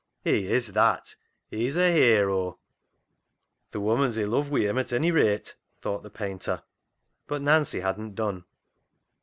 " He is that. He's a hero !"" Th' woman's i' luv wi' him at ony rate," thought the painter. But Nancy hadn't done.